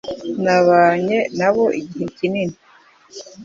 Nabanye nabo igihe kinini.